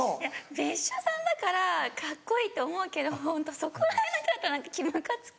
別所さんだからカッコいいって思うけどホントそこらへんの人だったら何かムカつく。